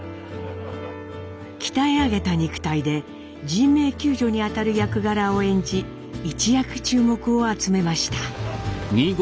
鍛え上げた肉体で人命救助に当たる役柄を演じ一躍注目を集めました。